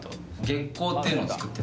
「月光」っていうのを作って。